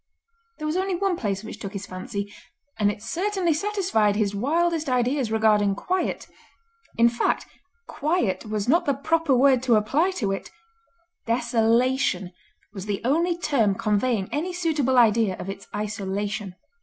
There was only one place which took his fancy, and it certainly satisfied his wildest ideas regarding quiet; in fact, quiet was not the proper word to apply to it—desolation was the only term conveying any suitable idea of its isolation.